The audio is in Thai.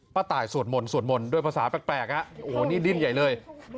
ตายสวดมนต์สวดมนต์ด้วยภาษาแปลกโอ้โหนี่ดิ้นใหญ่เลย